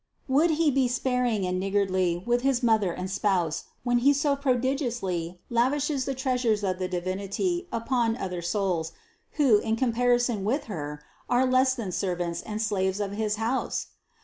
Would He be sparing and nig gardly with his Mother and Spouse, when He so pro digiously lavishes the treasures of the Divinity upon other souls, who, in comparison, with Her, are less than ser vants and slaves of his house?